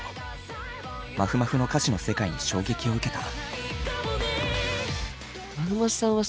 まふまふの歌詞の世界に衝撃を受けた。